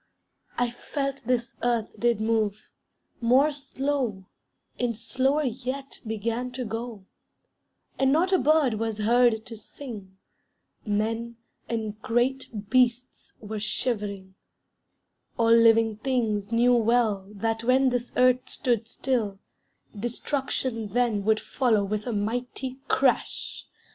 I felt this earth did move; more slow, And slower yet began to go; And not a bird was heard to sing, Men and great beasts were shivering; All living things knew well that when This earth stood still, destruction then Would follow with a mighty crash.